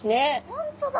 本当だ。